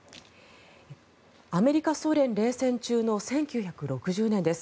アメリカ・ソ連冷戦中の１９６０年です。